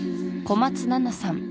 小松菜奈さん